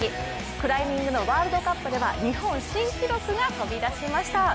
クライミングのワールドカップでは日本新記録が飛び出しました。